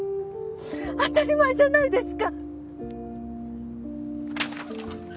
当たり前じゃないですか！